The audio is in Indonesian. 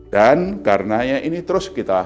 dan karenanya ini terus kita